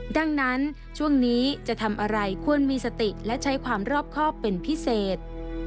ดังนั้นช่วงนี้จะทำอะไรควรมีสติและใช้ความรอบครอบเป็นพิเศษ